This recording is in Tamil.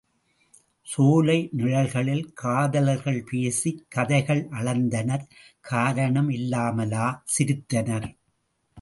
சோலை நிழல்களில காதலர்கள் பேசிக் கதைகள் அளந்தனர் காரணம் இல்லாமலே சிரித்தனர்.